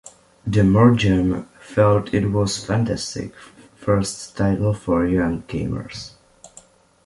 De Morgan felt it was "fantastic" first title for young gamers.